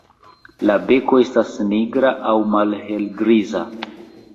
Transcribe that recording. La beko estas nigra aŭ malhelgriza.